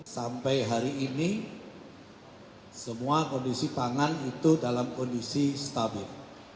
sampai hari ini semua kondisi pangan itu dalam kondisi stabil